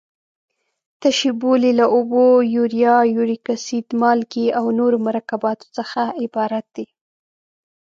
تشې بولې له اوبو، یوریا، یوریک اسید، مالګې او نورو مرکباتو څخه عبارت دي.